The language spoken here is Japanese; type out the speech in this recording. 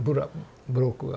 ブロックが。